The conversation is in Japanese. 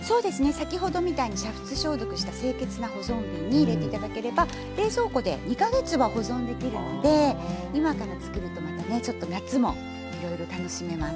先ほどみたいに煮沸消毒した清潔な保存瓶に入れて頂ければ冷蔵庫で２か月は保存できるので今から作るとまたねちょっと夏もいろいろ楽しめます。